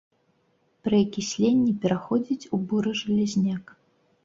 Пры акісленні пераходзіць у буры жалязняк.